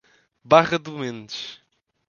Barra do Mendes